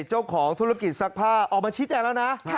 เจ้าของธุรกิจซักผ้าออกมาชี้แจงแล้วนะ